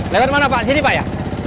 lewat mana pak sini pak ya